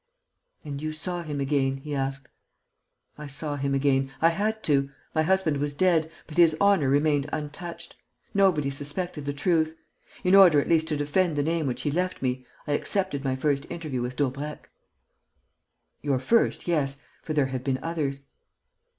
"And you saw him again?" he asked. "I saw him again. I had to. My husband was dead, but his honour remained untouched. Nobody suspected the truth. In order at least to defend the name which he left me, I accepted my first interview with Daubrecq." "Your first, yes, for there have been others."